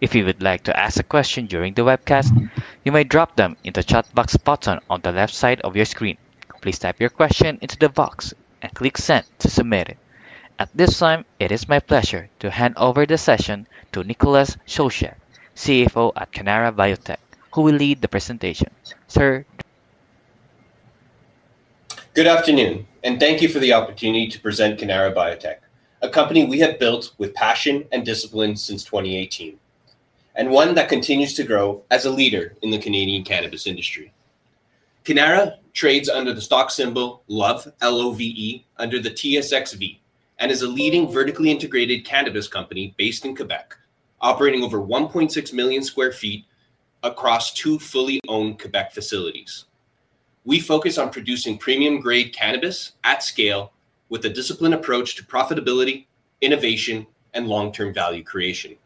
If you would like to ask a question during the webcast, you may drop them in the chat box button on the left side of your screen. Please type your question into the box and click Send to submit it. At this time, it is my pleasure to hand over the session to Nicholas Sosiak, Chief Financial Officer at Cannara Biotech, who will lead the presentation. Sir. Good afternoon, and thank you for the opportunity to present Cannara Biotech, a company we have built with passion and discipline since 2018, and one that continues to grow as a leader in the Canadian cannabis industry. Cannara trades under the stock symbol LOVE, L-O-V-E, under the TSXV, and is a leading vertically integrated cannabis company based in Quebec, operating over 1.6 million sq ft across two fully owned Quebec facilities. We focus on producing premium-grade cannabis at scale with a disciplined approach to profitability, innovation, and long-term value creation.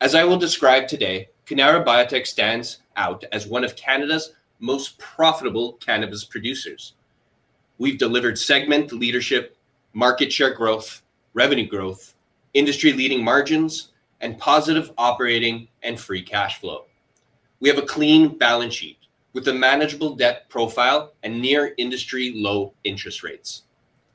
As I will describe today, Cannara Biotech stands out as one of Canada's most profitable cannabis producers. We've delivered segment leadership, market share growth, revenue growth, industry-leading margins, and positive operating and free cash flow. We have a clean balance sheet with a manageable debt profile and near industry low interest rates.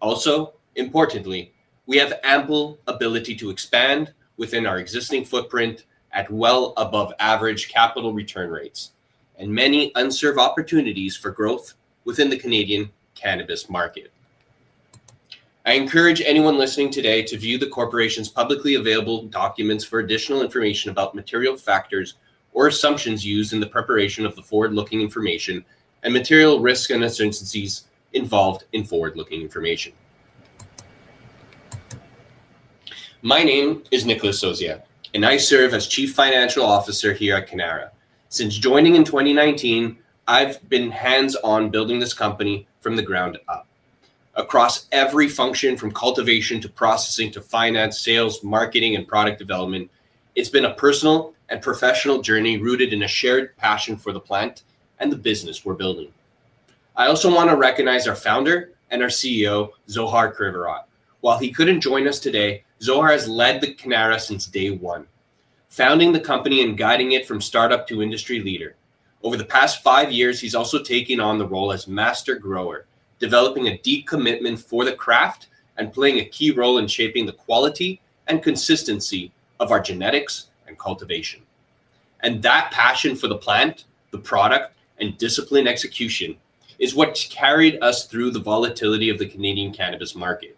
Also, importantly, we have ample ability to expand within our existing footprint at well above average capital return rates and many unserved opportunities for growth within the Canadian cannabis market. I encourage anyone listening today to view the corporation's publicly available documents for additional information about material factors or assumptions used in the preparation of the forward-looking information and material risks and uncertainties involved in forward-looking information. My name is Nicholas Sosiak, and I serve as Chief Financial Officer here at Cannara. Since joining in 2019, I've been hands-on building this company from the ground up. Across every function, from cultivation to processing to finance, sales, marketing, and product development, it's been a personal and professional journey rooted in a shared passion for the plant and the business we're building. I also want to recognize our founder and our CEO, Zohar Krivorot. While he couldn't join us today, Zohar has led Cannara since day one, founding the company and guiding it from startup to industry leader. Over the past five years, he's also taken on the role as master grower, developing a deep commitment for the craft and playing a key role in shaping the quality and consistency of our genetics and cultivation. That passion for the plant, the product, and discipline execution is what's carried us through the volatility of the Canadian cannabis market.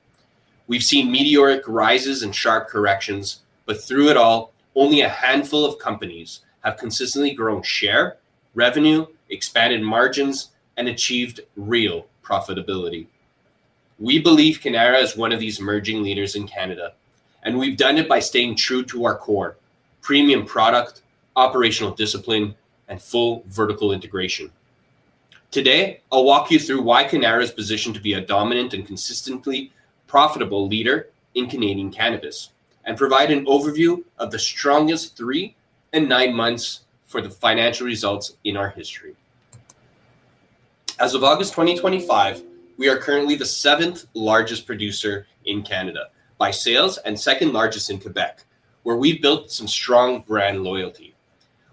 We've seen meteoric rises and sharp corrections, but through it all, only a handful of companies have consistently grown share, revenue, expanded margins, and achieved real profitability. We believe Cannara is one of these emerging leaders in Canada, and we've done it by staying true to our core: premium product, operational discipline, and full vertical integration. Today, I'll walk you through why Cannara is positioned to be a dominant and consistently profitable leader in Canadian cannabis and provide an overview of the strongest three and nine months for the financial results in our history. As of August 2025, we are currently the seventh largest producer in Canada by sales and second largest in Quebec, where we've built some strong brand loyalty.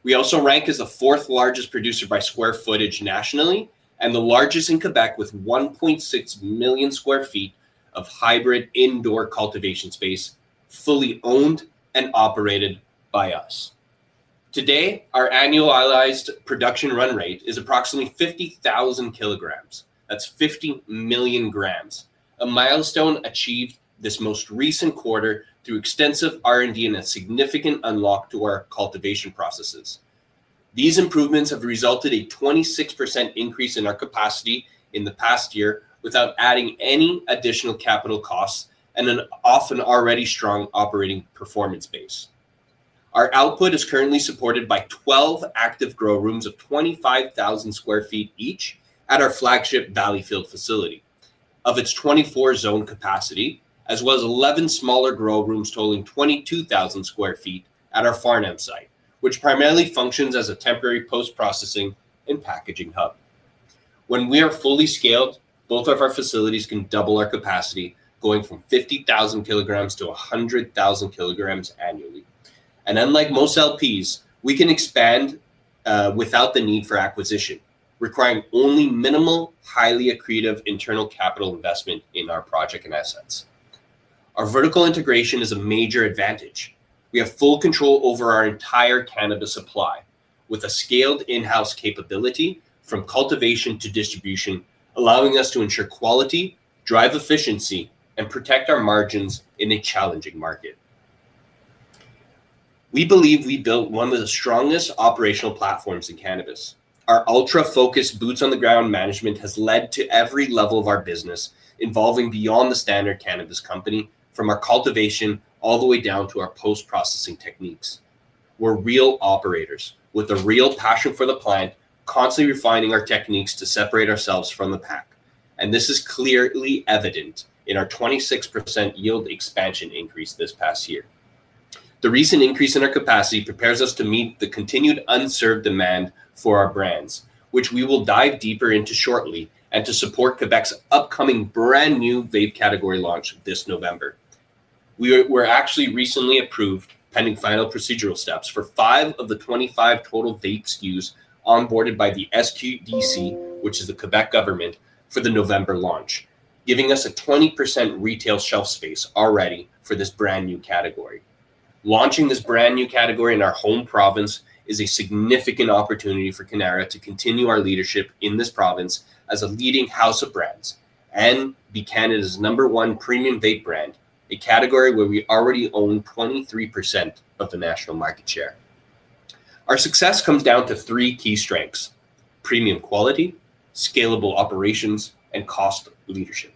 We also rank as the fourth largest producer by square footage nationally and the largest in Quebec with 1.6 million sq ft of hybrid indoor cultivation space fully owned and operated by us. Today, our annualized production run rate is approximately 50,000 kg. That's 50 million g, a milestone achieved this most recent quarter through extensive R&D and a significant unlock to our cultivation processes. These improvements have resulted in a 26% increase in our capacity in the past year without adding any additional capital costs and an often already strong operating performance base. Our output is currently supported by 12 active grow rooms of 25,000 sq ft each at our flagship Valleyfield facility of its 24 zone capacity, as well as 11 smaller grow rooms totaling 22,000 sq ft at our Farnham site, which primarily functions as a temporary post-processing and packaging hub. When we are fully scaled, both of our facilities can double our capacity, going from 50,000 kg - 100,000 kg annually. Unlike most LPs, we can expand without the need for acquisition, requiring only minimal, highly accretive internal capital investment in our project and assets. Our vertical integration is a major advantage. We have full control over our entire cannabis supply with a scaled in-house capability from cultivation to distribution, allowing us to ensure quality, drive efficiency, and protect our margins in a challenging market. We believe we built one of the strongest operational platforms in cannabis. Our ultra-focused boots-on-the-ground management has led to every level of our business, involving beyond the standard cannabis company, from our cultivation all the way down to our post-processing techniques. We're real operators with a real passion for the plant, constantly refining our techniques to separate ourselves from the pack. This is clearly evident in our 26% yield expansion increase this past year. The recent increase in our capacity prepares us to meet the continued unserved demand for our brands, which we will dive deeper into shortly, and to support Quebec's upcoming brand new vape category launch this November. We were actually recently approved, pending final procedural steps, for five of the 25 total vapes Cannara Biotech used onboarded by the SQDC, which is the Quebec government for the November launch, giving us a 20% retail shelf space already for this brand new category. Launching this brand new category in our home province is a significant opportunity for Cannara to continue our leadership in this province as a leading house of brands and be Canada's number one premium vape brand, a category where we already own 23% of the national market share. Our success comes down to three key strengths: premium quality, scalable operations, and cost leadership.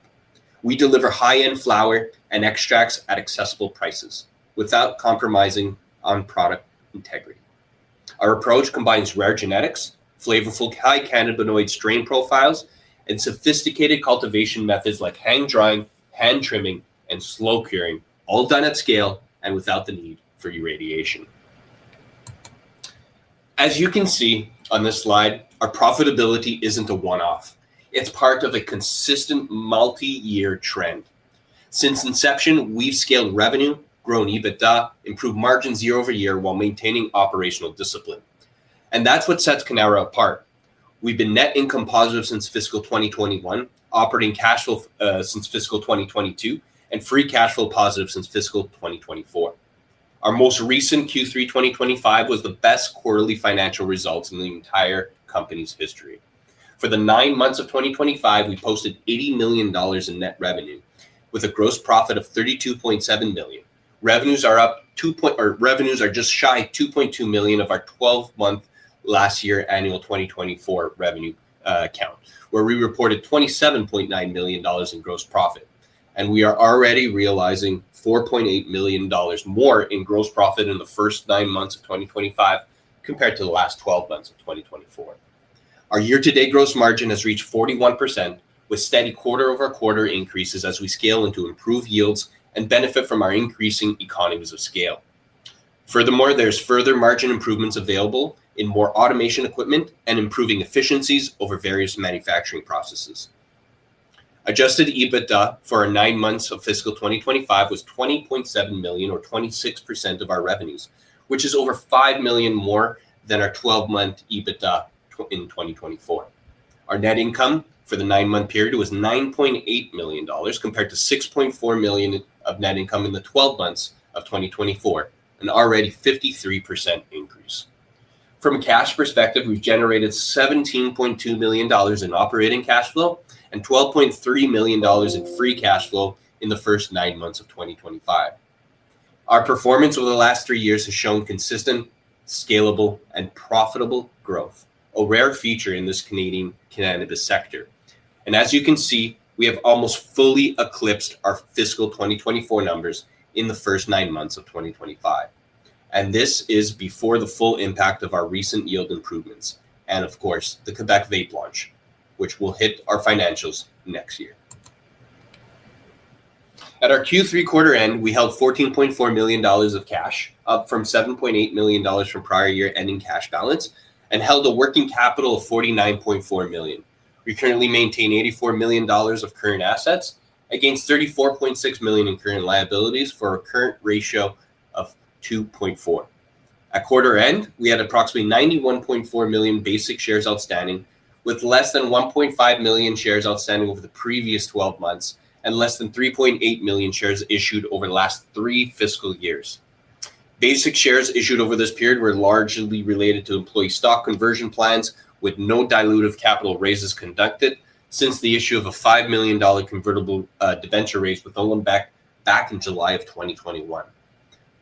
We deliver high-end flower and extracts at accessible prices without compromising on product integrity. Our approach combines rare genetics, flavorful high cannabinoid strain profiles, and sophisticated cultivation methods like hang drying, hand trimming, and slow curing, all done at scale and without the need for irradiation. As you can see on this slide, our profitability isn't a one-off. It's part of a consistent multi-year trend. Since inception, we've scaled revenue, grown EBITDA, improved margins year-over-year while maintaining operational discipline. That's what sets Cannara Biotech apart. We've been net income positive since fiscal 2021, operating cash flow positive since fiscal 2022, and free cash flow positive since fiscal 2024. Our most recent Q3 2025 was the best quarterly financial results in the entire company's history. For the nine months of 2025, we posted $80 million in net revenue with a gross profit of $32.7 million. Revenues are just shy of $2.2 million of our 12-month last year annual 2024 revenue count, where we reported $27.9 million in gross profit. We are already realizing $4.8 million more in gross profit in the first nine months of 2025 compared to the last 12 months of 2024. Our year-to-date gross margin has reached 41%, with steady quarter-over-quarter increases as we scale into improved yields and benefit from our increasing economies of scale. Furthermore, there are further margin improvements available in more automation equipment and improving efficiencies over various manufacturing processes. Adjusted EBITDA for our nine months of fiscal 2025 was $20.7 million, or 26% of our revenues, which is over $5 million more than our 12-month EBITDA in 2024. Our net income for the nine-month period was $9.8 million compared to $6.4 million of net income in the 12 months of 2024, an already 53% increase. From a cash perspective, we've generated $17.2 million in operating cash flow and $12.3 million in free cash flow in the first nine months of 2025. Our performance over the last three years has shown consistent, scalable, and profitable growth, a rare feature in this Canadian cannabis sector. As you can see, we have almost fully eclipsed our fiscal 2024 numbers in the first nine months of 2025. This is before the full impact of our recent yield improvements and, of course, the Quebec vape launch, which will hit our financials next year. At our Q3 quarter end, we held $14.4 million of cash, up from $7.8 million from prior year ending cash balance, and held a working capital of $49.4 million. We currently maintain $84 million of current assets against $34.6 million in current liabilities for a current ratio of 2.4. At quarter end, we had approximately 91.4 million basic shares outstanding, with less than 1.5 million shares outstanding over the previous 12 months and less than 3.8 million shares issued over the last three fiscal years. Basic shares issued over this period were largely related to employee stock conversion plans with no dilutive capital raises conducted since the issue of a $5 million convertible debenture raise with Owen Beck back in July of 2021.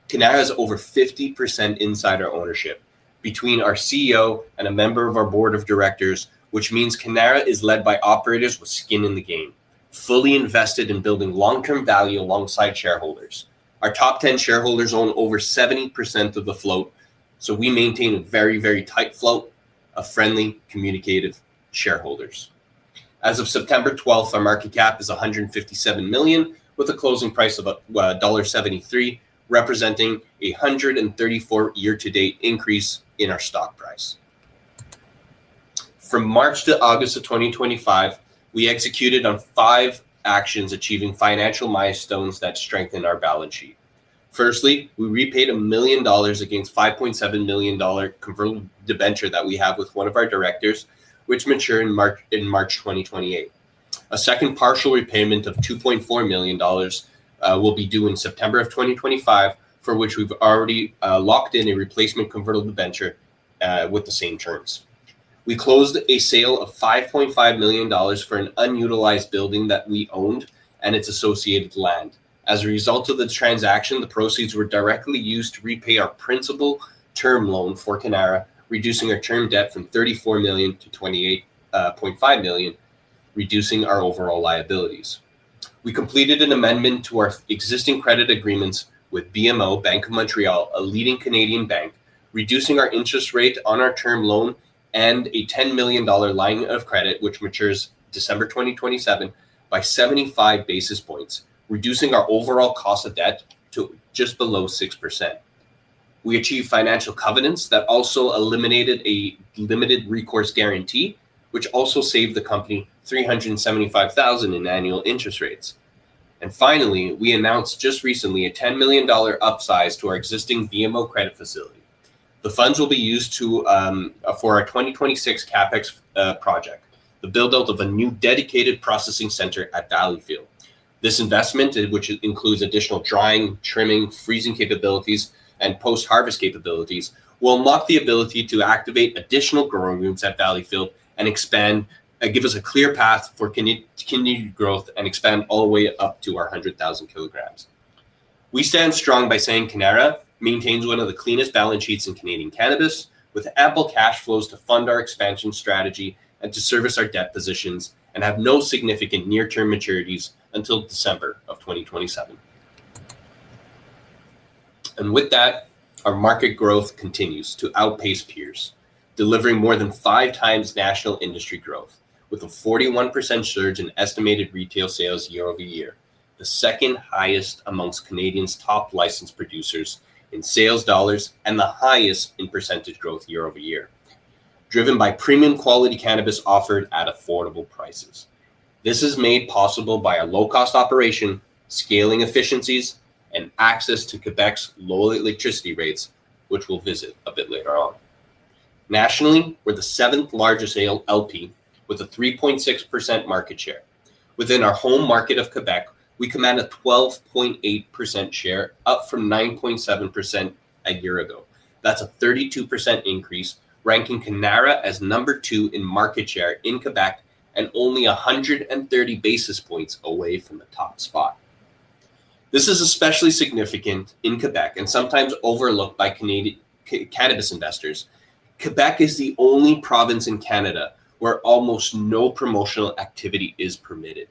Cannara is over 50% insider ownership between our CEO and a member of our board of directors, which means Cannara is led by operators with skin in the game, fully invested in building long-term value alongside shareholders. Our top 10 shareholders own over 70% of the float, so we maintain a very, very tight float of friendly, communicative shareholders. As of September 12th, our market cap is $157 million with a closing price of $1.73, representing a $134 year-to-date increase in our stock price. From March to August of 2025, we executed on five actions, achieving financial milestones that strengthened our balance sheet. Firstly, we repaid $1 million against a $5.7 million convertible debenture that we have with one of our directors, which matures in March 2028. A second partial repayment of $2.4 million will be due in September of 2025, for which we've already locked in a replacement convertible debenture with the same terms. We closed a sale of $5.5 million for an unutilized building that we owned and its associated land. As a result of the transaction, the proceeds were directly used to repay our principal term loan for Cannara, reducing our term debt from $34 million - $28.5 million, reducing our overall liabilities. We completed an amendment to our existing credit agreements with Bank of Montreal, a leading Canadian bank, reducing our interest rate on our term loan and a $10 million line of credit, which matures December 2027, by 75 basis points, reducing our overall cost of debt to just below 6%. We achieved financial covenants that also eliminated a limited recourse guarantee, which also saved the company $375,000 in annual interest rates. Finally, we announced just recently a $10 million upsize to our existing Bank of Montreal credit facility. The funds will be used for our 2026 CAPEX project, the build-out of a new dedicated processing center at Valleyfield. This investment, which includes additional drying, trimming, freezing capabilities, and post-harvest capabilities, will unlock the ability to activate additional growing rooms at Valleyfield and expand and give us a clear path for continued growth and expand all the way up to our 100,000 kg. We stand strong by saying Cannara maintains one of the cleanest balance sheets in Canadian cannabis, with ample cash flows to fund our expansion strategy and to service our debt positions and have no significant near-term maturities until December of 2027. With that, our market growth continues to outpace peers, delivering more than five times national industry growth, with a 41% surge in estimated retail sales year over year, the second highest amongst Canada's top licensed producers in sales dollars and the highest in % growth year over year, driven by premium quality cannabis offered at affordable prices. This is made possible by a low-cost operation, scaling efficiencies, and access to Quebec's low electricity rates, which we'll visit a bit later on. Nationally, we're the seventh largest LP with a 3.6% market share. Within our home market of Quebec, we command a 12.8% share, up from 9.7% a year ago. That's a 32% increase, ranking Cannara as number two in market share in Quebec and only 130 basis points away from the top spot. This is especially significant in Quebec and sometimes overlooked by Canadian cannabis investors. Quebec is the only province in Canada where almost no promotional activity is permitted.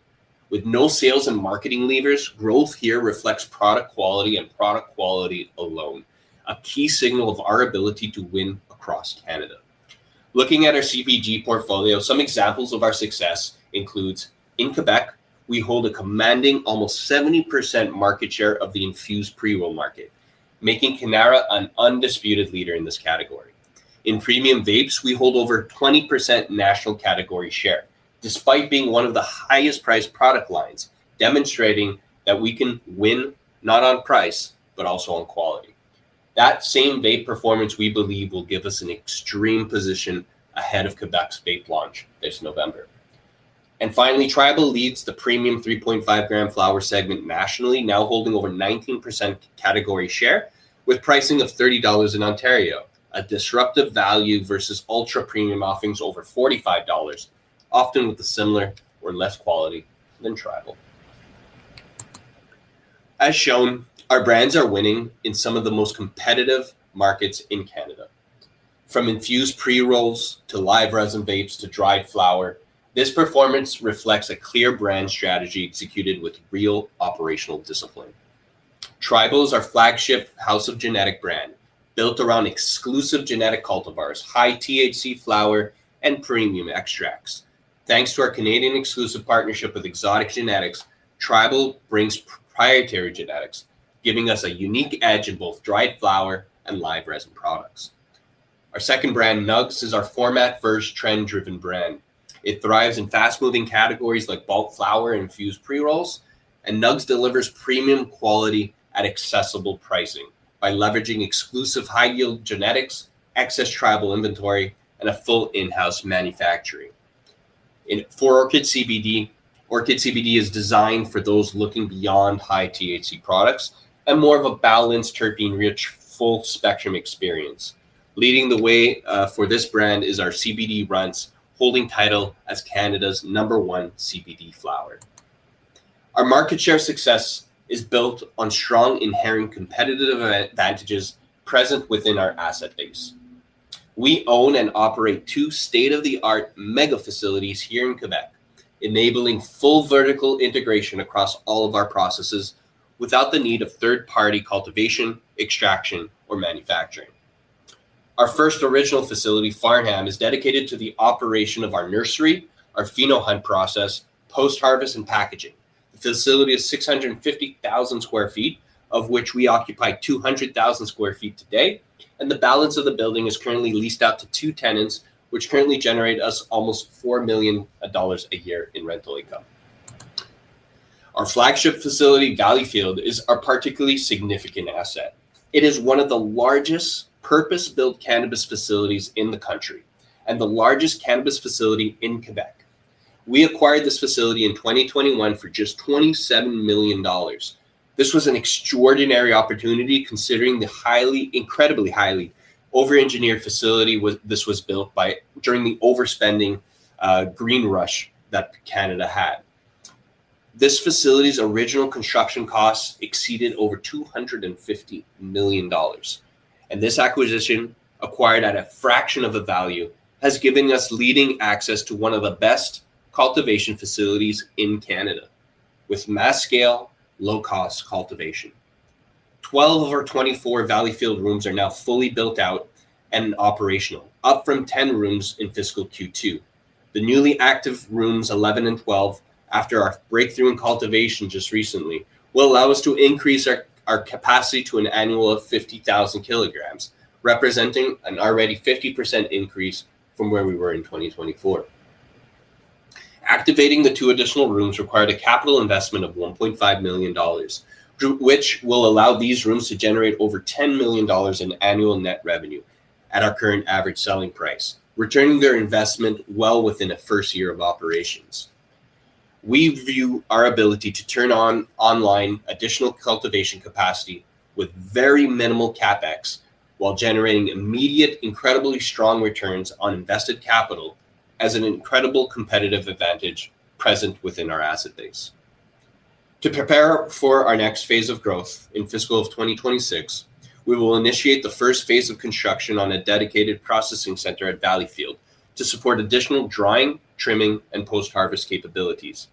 With no sales and marketing leaders, growth here reflects product quality and product quality alone, a key signal of our ability to win across Canada. Looking at our CPG portfolio, some examples of our success include in Quebec, we hold a commanding almost 70% market share of the infused pre-roll market, making Cannara an undisputed leader in this category. In premium vapes, we hold over 20% national category share, despite being one of the highest-priced product lines, demonstrating that we can win not on price but also on quality. That same vape performance we believe will give us an extreme position ahead of Quebec's vape launch this November. Finally, Tribal leads the premium 3.5 g flower segment nationally, now holding over 19% category share with pricing of $30 in Ontario, a disruptive value versus ultra-premium offerings over $45, often with a similar or less quality than Tribal. As shown, our brands are winning in some of the most competitive markets in Canada. From infused pre-rolls to live resin vapes to dried flower, this performance reflects a clear brand strategy executed with real operational discipline. Tribal is our flagship house of genetic brand, built around exclusive genetic cultivars, high THC flower, and premium extracts. Thanks to our Canadian exclusive partnership with Exotic Genetics, Tribal brings proprietary genetics, giving us a unique edge in both dried flower and live resin products. Our second brand, Nugs, is our format-first trend-driven brand. It thrives in fast-moving categories like bulk flower and infused pre-rolls, and Nugs delivers premium quality at accessible pricing by leveraging exclusive high-yield genetics, excess Tribal inventory, and a full in-house manufacturing. For Orchid CBD, Orchid CBD is designed for those looking beyond high THC products and more of a balanced terpene-rich full-spectrum experience. Leading the way for this brand is our CBD Runtz, holding title as Canada's number one CBD flower. Our market share success is built on strong inherent competitive advantages present within our asset base. We own and operate two state-of-the-art mega facilities here in Quebec, enabling full vertical integration across all of our processes without the need of third-party cultivation, extraction, or manufacturing. Our first original facility, Farnham, is dedicated to the operation of our nursery, our pheno-hunt process, post-harvest, and packaging. The facility is 650,000 sq ft, of which we occupy 200,000 sq ft today, and the balance of the building is currently leased out to two tenants, which currently generate us almost $4 million a year in rental income. Our flagship facility, Valleyfield, is our particularly significant asset. It is one of the largest purpose-built cannabis facilities in the country and the largest cannabis facility in Quebec. We acquired this facility in 2021 for just $27 million. This was an extraordinary opportunity considering the highly, incredibly highly over-engineered facility this was built by during the overspending green rush that Canada had. This facility's original construction costs exceeded over $250 million, and this acquisition, acquired at a fraction of the value, has given us leading access to one of the best cultivation facilities in Canada with mass-scale, low-cost cultivation. 12 of our 24 Valleyfield rooms are now fully built out and operational, up from 10 rooms in fiscal Q2. The newly active rooms 11 and 12, after our breakthrough in cultivation just recently, will allow us to increase our capacity to an annual of 50,000 kg, representing an already 50% increase from where we were in 2024. Activating the two additional rooms required a capital investment of $1.5 million, which will allow these rooms to generate over $10 million in annual net revenue at our current average selling price, returning their investment well within a first year of operations. We view our ability to turn on online additional cultivation capacity with very minimal CAPEX while generating immediate, incredibly strong returns on invested capital as an incredible competitive advantage present within our asset base. To prepare for our next phase of growth in fiscal 2026, we will initiate the first phase of construction on a dedicated processing center at Valleyfield to support additional drying, trimming, and post-harvest capabilities.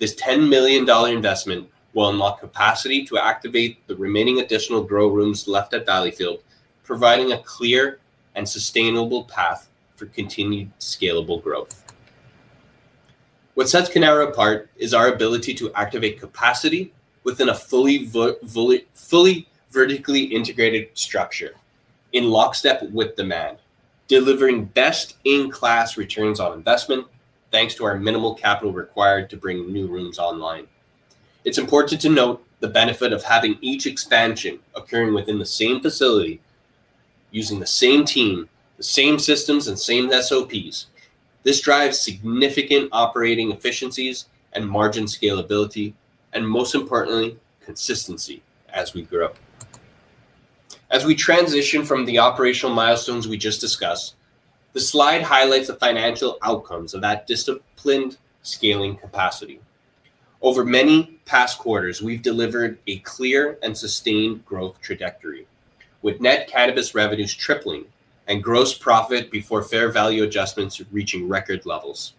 This $10 million investment will unlock capacity to activate the remaining additional grow rooms left at Valleyfield, providing a clear and sustainable path for continued scalable growth. What sets Cannara Biotech Inc. apart is our ability to activate capacity within a fully vertically integrated structure in lockstep with demand, delivering best-in-class returns on investment thanks to our minimal capital required to bring new rooms online. It's important to note the benefit of having each expansion occurring within the same facility, using the same team, the same systems, and same SOPs. This drives significant operating efficiencies and margin scalability, and most importantly, consistency as we grow. As we transition from the operational milestones we just discussed, the slide highlights the financial outcomes of that disciplined scaling capacity. Over many past quarters, we've delivered a clear and sustained growth trajectory, with net cannabis revenues tripling and gross profit before fair value adjustments reaching record levels.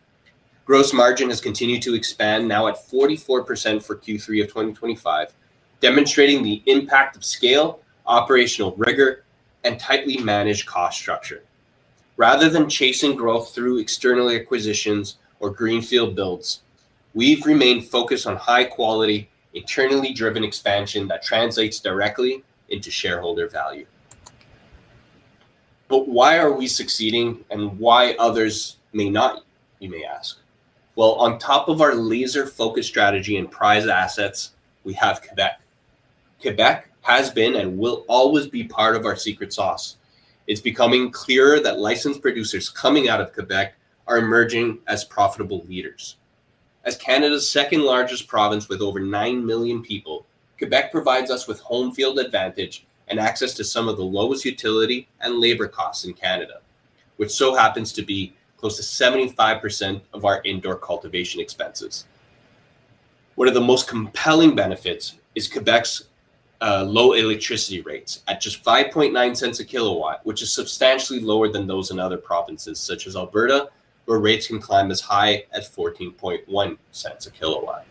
Gross margin has continued to expand, now at 44% for Q3 of 2025, demonstrating the impact of scale, operational rigor, and tightly managed cost structure. Rather than chasing growth through external acquisitions or greenfield builds, we've remained focused on high-quality, eternally driven expansion that translates directly into shareholder value. You may ask why we are succeeding and why others may not. On top of our laser-focused strategy and prized assets, we have Quebec. Quebec has been and will always be part of our secret sauce. It's becoming clearer that licensed producers coming out of Quebec are emerging as profitable leaders. As Canada's second largest province with over 9 million people, Quebec provides us with home field advantage and access to some of the lowest utility and labor costs in Canada, which so happens to be close to 75% of our indoor cultivation expenses. One of the most compelling benefits is Quebec's low electricity rates at just $0.059 a kilowatt, which is substantially lower than those in other provinces such as Alberta, where rates can climb as high as $0.141 a kilowatt.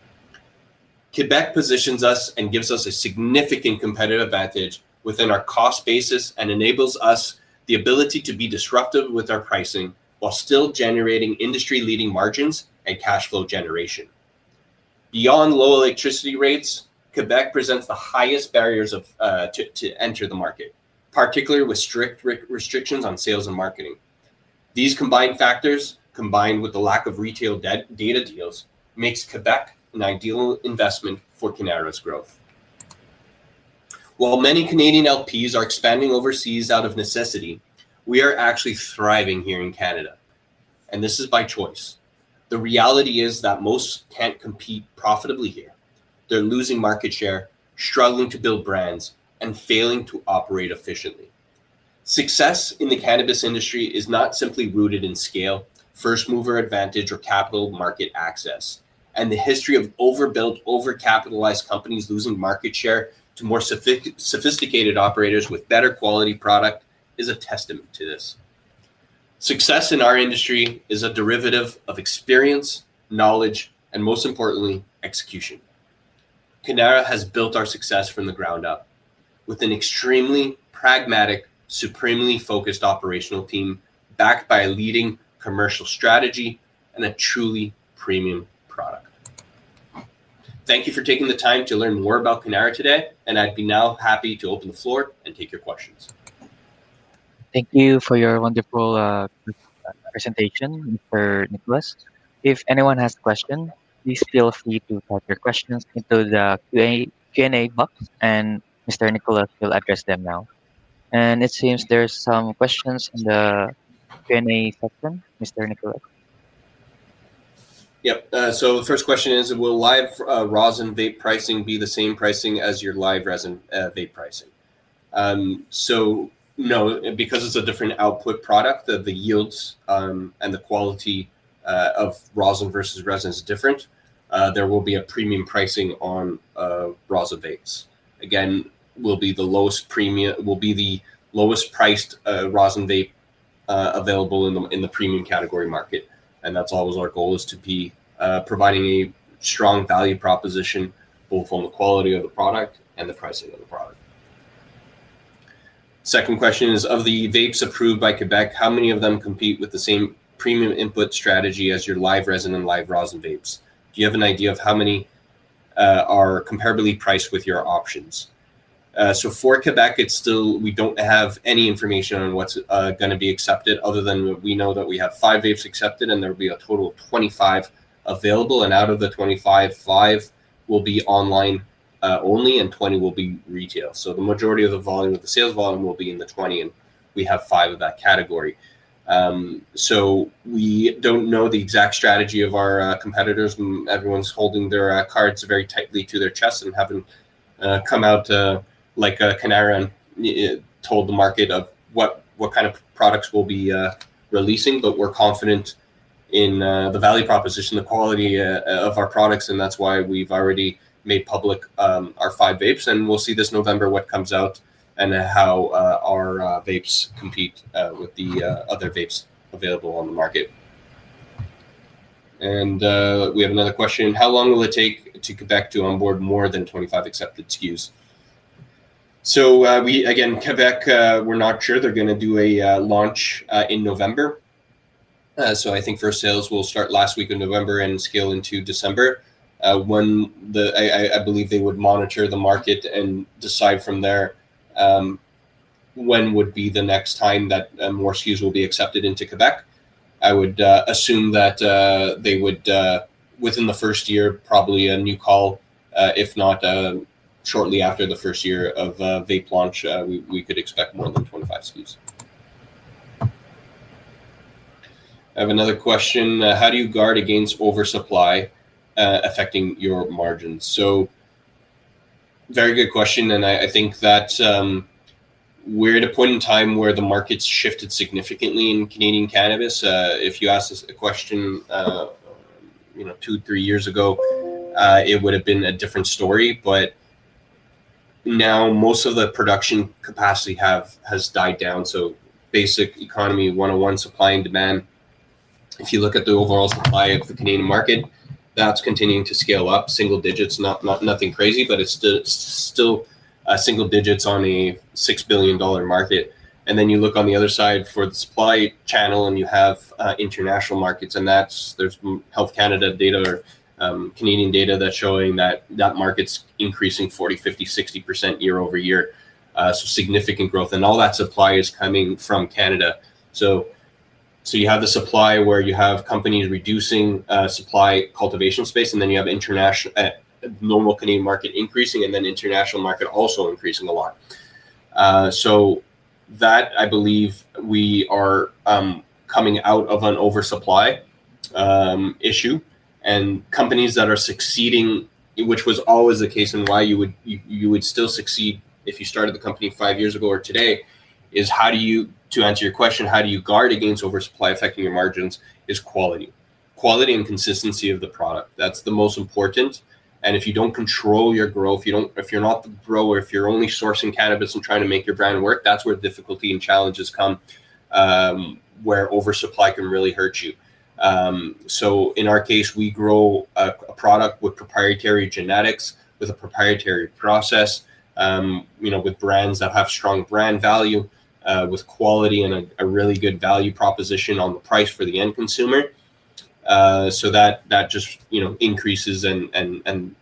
Quebec positions us and gives us a significant competitive advantage within our cost basis and enables us the ability to be disruptive with our pricing while still generating industry-leading margins and cash flow generation. Beyond low electricity rates, Quebec presents the highest barriers to enter the market, particularly with strict restrictions on sales and marketing. These combined factors, combined with the lack of retail data deals, make Quebec an ideal investment for Cannara's growth. While many Canadian LPs are expanding overseas out of necessity, we are actually thriving here in Canada, and this is by choice. The reality is that most can't compete profitably here. They're losing market share, struggling to build brands, and failing to operate efficiently. Success in the cannabis industry is not simply rooted in scale, first-mover advantage, or capital market access. The history of overbuilt, over-capitalized companies losing market share to more sophisticated operators with better quality product is a testament to this. Success in our industry is a derivative of experience, knowledge, and most importantly, execution. Cannara has built our success from the ground up with an extremely pragmatic, supremely focused operational team backed by a leading commercial strategy and a truly premium product. Thank you for taking the time to learn more about Cannara today, and I'd be now happy to open the floor and take your questions. Thank you for your wonderful presentation, Mr. Nicholas. If anyone has questions, please feel free to type your questions into the Q&A box, and Mr. Nicholas will address them now. It seems there are some questions in the Q&A section, Mr. Nicholas. Yep. The first question is, will live rosin vape pricing be the same pricing as your live resin vape pricing? No, because it's a different output product, the yields and the quality of rosin versus resin is different. There will be a premium pricing on rosin vapes. Again, it will be the lowest priced rosin vape available in the premium category market. That's always our goal, to be providing a strong value proposition, both on the quality of the product and the pricing of the product. The second question is, of the vapes approved by Quebec, how many of them compete with the same premium input strategy as your live resin and live rosin vapes? Do you have an idea of how many are comparably priced with your options? For Quebec, we don't have any information on what's going to be accepted other than we know that we have five vapes accepted and there will be a total of 25 available. Out of the 25, five will be online only and 20 will be retail. The majority of the sales volume will be in the 20 and we have five of that category. We don't know the exact strategy of our competitors. Everyone's holding their cards very tightly to their chests and haven't come out like Cannara. and told the market what kind of products we'll be releasing. We're confident in the value proposition, the quality of our products, and that's why we've already made public our five vapes. We'll see this November what comes out and how our vapes compete with the other vapes available on the market. We have another question. How long will it take Quebec to onboard more than 25 accepted SKUs? Again, Quebec, we're not sure they're going to do a launch in November. I think first sales will start last week of November and scale into December. I believe they would monitor the market and decide from there when would be the next time that more SKUs will be accepted into Quebec. I would assume that within the first year, probably a new call. If not, shortly after the first year of vape launch, we could expect more than 25 SKUs. I have another question. How do you guard against oversupply affecting your margins? Very good question. I think that we're at a point in time where the market's shifted significantly in Canadian cannabis. If you asked us a question two, three years ago, it would have been a different story. Most of the production capacity has died down. Basic economy 101, supply and demand. If you look at the overall supply of the Canadian market, that's continuing to scale up single digits. Nothing crazy, but it's still single digits on a $6 billion market. You look on the other side for the supply channel and you have international markets. There is Health Canada data, or Canadian data, that's showing that that market's increasing 40%, 50%, 60% year-over-year. Significant growth. All that supply is coming from Canada. You have the supply where you have companies reducing supply cultivation space, and then you have international, normal Canadian market increasing, and then international market also increasing a lot. I believe we are coming out of an oversupply issue. Companies that are succeeding, which was always the case and why you would still succeed if you started the company five years ago or today, is how do you, to answer your question, how do you guard against oversupply affecting your margins is quality. Quality and consistency of the product. That's the most important. If you don't control your growth, if you're not the grower, if you're only sourcing cannabis to try to make your brand work, that's where difficulty and challenges come, where oversupply can really hurt you. In our case, we grow a product with proprietary genetics, with a proprietary process, with brands that have strong brand value, with quality and a really good value proposition on the price for the end consumer. That just increases and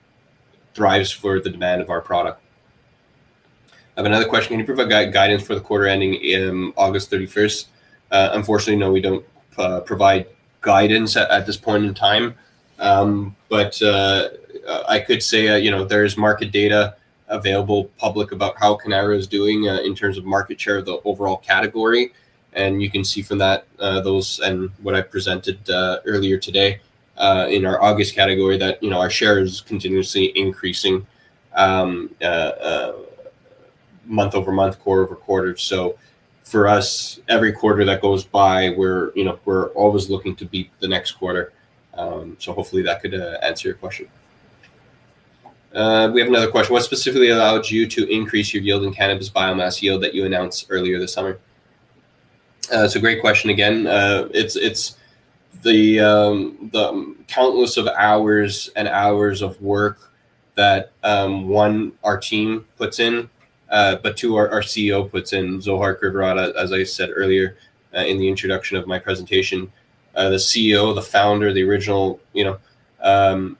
thrives for the demand of our product. I have another question. Can you provide guidance for the quarter ending in August 31st? Unfortunately, no, we don't provide guidance at this point in time. I could say there's market data available public about how Cannara is doing in terms of market share of the overall category. You can see from that, those, and what I presented earlier today in our August category, that our share is continuously increasing month over month, quarter over quarter. For us, every quarter that goes by, we're always looking to beat the next quarter. Hopefully that could answer your question. We have another question. What specifically allowed you to increase your yield in cannabis biomass yield that you announced earlier this summer? It's a great question again. It's the countless hours and hours of work that, one, our team puts in, but two, our CEO puts in. Zohar Krivorot, as I said earlier in the introduction of my presentation, the CEO, the founder, the original, you know,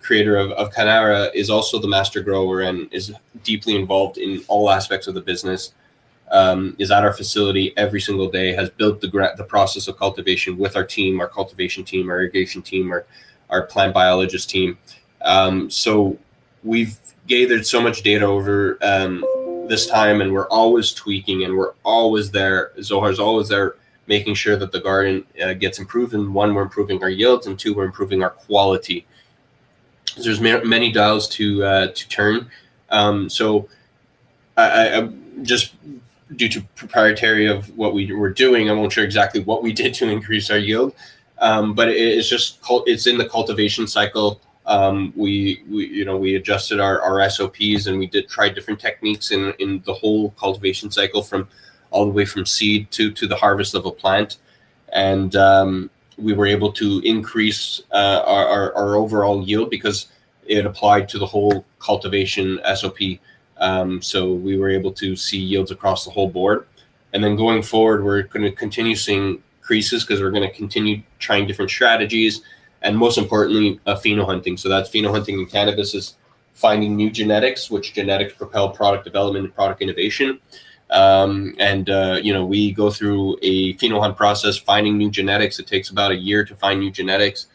creator of Cannara is also the master grower and is deeply involved in all aspects of the business. He's at our facility every single day, has built the process of cultivation with our team, our cultivation team, our irrigation team, our plant biologist team. We've gathered so much data over this time, and we're always tweaking, and we're always there. Zohar's always there, making sure that the garden gets improved. One, we're improving our yields, and two, we're improving our quality. There are many dials to turn. Due to the proprietary nature of what we're doing, I'm not sure exactly what we did to increase our yield. It's just, it's in the cultivation cycle. We adjusted our SOPs and we did try different techniques in the whole cultivation cycle, from all the way from seed to the harvest of a plant. We were able to increase our overall yield because it applied to the whole cultivation SOP. We were able to see yields across the whole board. Going forward, we're going to continue seeing increases because we're going to continue trying different strategies and, most importantly, pheno-hunting. Pheno-hunting in cannabis is finding new genetics, which genetics propel product development and product innovation. We go through a pheno-hunt process finding new genetics. It takes about a year to find new genetics.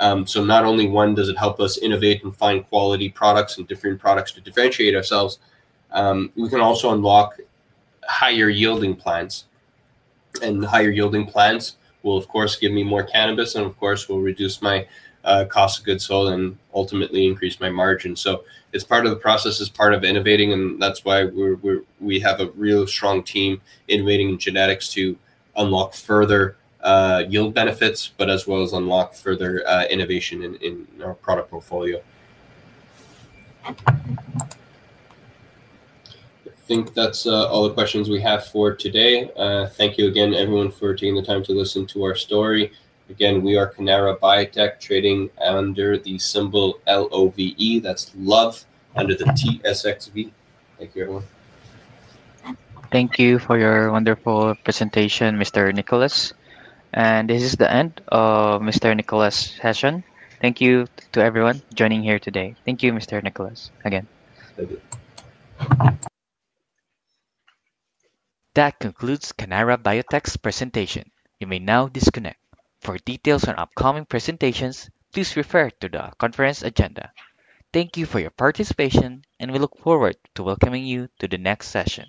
Not only, one, does it help us innovate and find quality products and different products to differentiate ourselves, we can also unlock higher yielding plants. Higher yielding plants will, of course, give me more cannabis and, of course, will reduce my cost of goods sold and ultimately increase my margins. It's part of the process, it's part of innovating, and that's why we have a really strong team innovating genetics to unlock further yield benefits, as well as unlock further innovation in our product portfolio. I think that's all the questions we have for today. Thank you again, everyone, for taking the time to listen to our story. Again, we are Cannara Biotech trading under the symbol LOVE, that's Love, under the TSXV. Thank you, everyone. Thank you for your wonderful presentation, Mr. Nicholas. This is the end of Mr. Nicholas' session. Thank you to everyone joining here today. Thank you, Mr. Nicholas, again. Thank you. That concludes Cannara Biotech's presentation. You may now disconnect. For details on upcoming presentations, please refer to the conference agenda. Thank you for your participation, and we look forward to welcoming you to the next session.